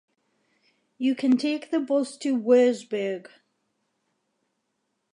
You can take the bus to Würzburg